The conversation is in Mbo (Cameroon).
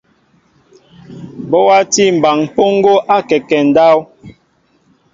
Bɔ watí mɓaŋ mpoŋgo akɛkέ ndáw.